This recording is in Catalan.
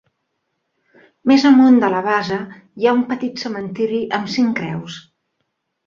Més amunt de la base hi ha un petit cementiri amb cinc creus.